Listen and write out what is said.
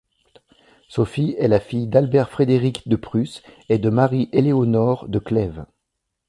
Sophie est la fille d'Albert-Frédéric de Prusse, et de Marie-Éléonore de Clèves.